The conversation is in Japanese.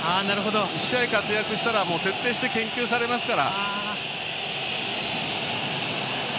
１試合活躍したら徹底して研究されますから。